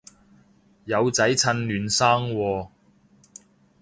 有仔趁嫩生喎